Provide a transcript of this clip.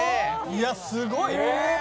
いやすごい！